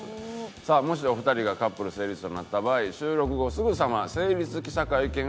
さあもしお二人がカップル成立となった場合収録後すぐさま成立記者会見を行っていただきます。